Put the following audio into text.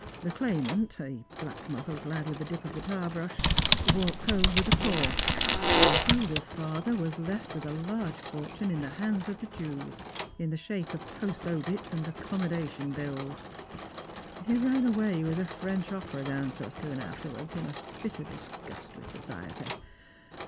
thfi claimant — a black muzzled lad Strangers and Pilgrims. 257 with a dip of the tar brush — walked over the course, and Hilda'a father was left with a large fortune in the hands of the Jews, in the shajse of post obits and accommodation bills. He ran away with a French opera dancer soon afterwards, in a fit of disgust with society.